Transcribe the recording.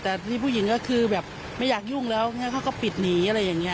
แต่พี่ผู้หญิงก็คือแบบไม่อยากยุ่งแล้วเขาก็ปิดหนีอะไรอย่างนี้